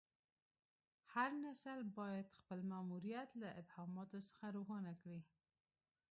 هر نسل باید خپل ماموریت له ابهاماتو څخه روښانه کړي.